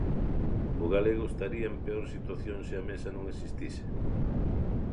O galego estaría en peor situación se A Mesa non existise?